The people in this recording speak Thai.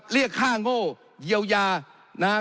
เรียกข้างโง่เยียวยานะฮะ